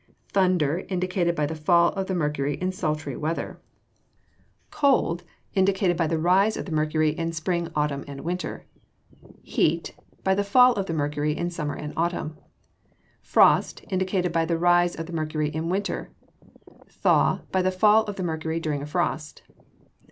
Thunder, indicated by the fall of the mercury in sultry weather. Cold, indicated by the rise of the mercury in spring, autumn, and winter. Heat, by the fall of the mercury in summer and autumn. Frost, indicated by the rise of the mercury in winter. Thaw, by the fall of the mercury during a frost.